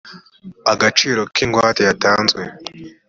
agaciro k ingwate yatanzwe